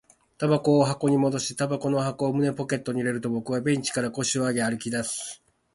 煙草を箱に戻し、煙草の箱を胸ポケットに入れると、僕はベンチから腰を上げ、歩き出す